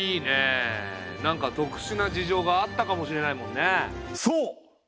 何かとくしゅな事情があったかもしれないもんね。